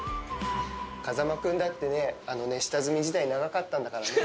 風間君だってね、下積み時代、長かったんだからね。